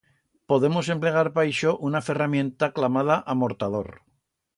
Podemos emplegar pa ixo una ferramienta clamada amortador.